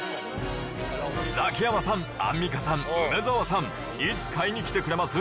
ザキヤマさん、アンミカさん、梅沢さん、いつ買いにきてくれます？